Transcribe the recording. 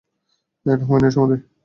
এটা হুমায়ূনের সমাধি।